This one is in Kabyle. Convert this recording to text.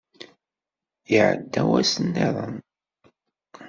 Iɛedda wass niḍen.